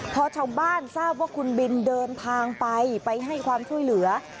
พอชาวบ้านทราบว่าคุณบินเดินทางไปไปให้ความช่วยเหลือ